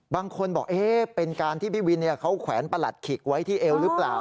บางคนบอกเป็นการที่พี่วินเขาแขวนประหลัดขิกไว้ที่เอวหรือเปล่า